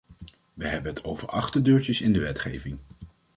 We hebben het over achterdeurtjes in de wetgeving.